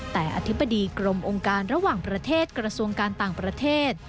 แต่อธิบดีกรมองค์การระหว่างประเทศกระทรวงการต่างประเทศ